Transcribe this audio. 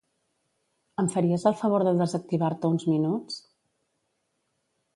Em faries el favor de desactivar-te uns minuts?